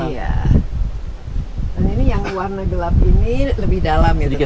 dan ini yang warna gelap ini lebih dalam ya